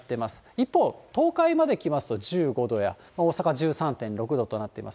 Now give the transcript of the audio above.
一方、東海まで来ますと１５度や大阪１３．６度となっております。